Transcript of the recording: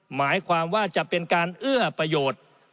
หมายความว่าจะเป็นการเอื้อประโยชน์